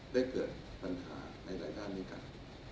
ได้เกิดปัญหาในหลายด้านด้วยกัน